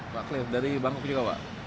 pak cliff dari bangkok juga pak